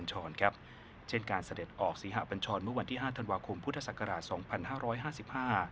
เสด็จออกศรีหะปัญชรเช่นการเสด็จออกศรีหะปัญชรเมื่อวันที่๕ธันวาคมพุทธศักราช๒๕๕๕